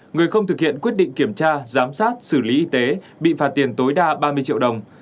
người không thực hiện quyết định kiểm tra giám sát xử lý y tế bị phạt tiền tối đa ba mươi triệu đồng